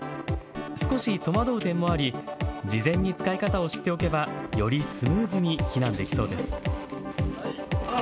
少し戸惑う点もあり事前に使い方を知っておけばよりスムーズに避難できそうです。